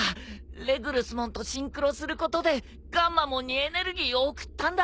レグルスモンとシンクロすることでガンマモンにエネルギーを送ったんだ！